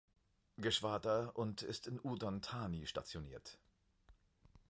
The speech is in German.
Geschwader und ist in Udon Thani stationiert.